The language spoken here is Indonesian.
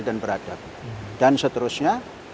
dan beradab dan seterusnya